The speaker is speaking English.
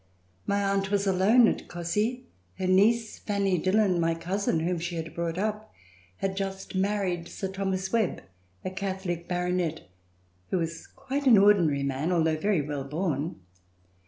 My aunt was alone at Cossey. Her niece, Fanny Dillon, my cousin, whom she had brought up, had just married Sir Thomas Webb, a Catholic Baronet who was quite an ordinary man although very well born.